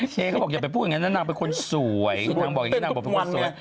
เชฟเขาบอกอย่าไปพูดอย่างนั้นนะนางเป็นคนสวยนางบอกอย่างนี้นางบอกเป็นคนสวย